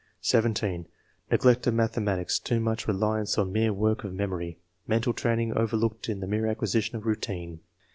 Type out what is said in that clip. (17) "Neglect of mathematics; too much reliance on mere work of memory. Mental training overlooked in the mere acquisition of routine."